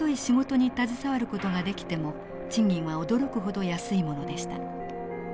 仕事に携わる事ができても賃金は驚くほど安いものでした。